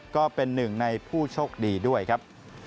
ก็เป็นหนึ่งในผู้โชคดีด้วยครับ